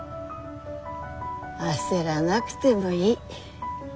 焦らなくてもいい。